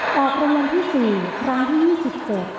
ตอนที่๒๔ร้านที่๒๗